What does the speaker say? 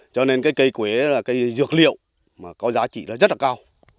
cho nên cái cây quế là cây dược liệu mà có giá trị nó rất là cao